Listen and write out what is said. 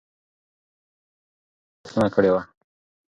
هغه له مغلي واکمن څخه د مرستې غوښتنه کړې وه.